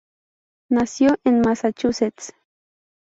Nació en Massachusetts.